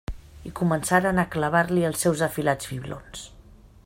I començaren a clavar-li els seus afilats fiblons.